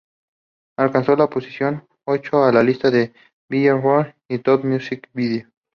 Alcanzó la posición ocho en la lista de "Billboard" "Top Music Video".